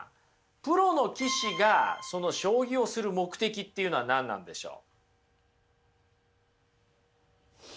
プロの棋士がその将棋をする目的っていうのは何なんでしょう？